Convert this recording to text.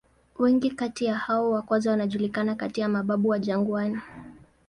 Wengi kati ya hao wa kwanza wanajulikana kati ya "mababu wa jangwani".